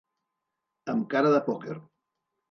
Amb cara de pòquer.